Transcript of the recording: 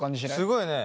すごいね。